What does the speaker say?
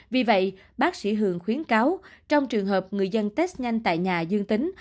vì vậy bác sĩ hường khuyến cáo trong trường hợp người dân test nhanh tại nhà dương tính